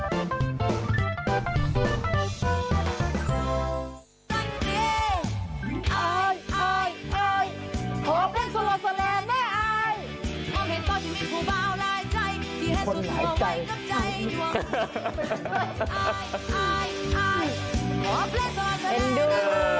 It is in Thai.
มีความสุขของหมีแลแรก